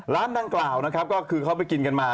ร้านดังกล่าวนะครับก็คือเขาไปกินกันมา